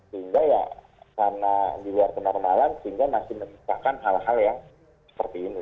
sehingga ya karena di luar kenormalan sehingga masih menyebabkan hal hal yang seperti ini